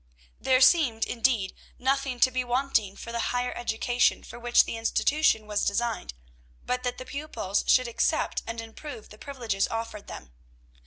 There seemed, indeed, nothing to be wanting for the "higher education" for which the institution was designed, but that the pupils should accept and improve the privileges offered them.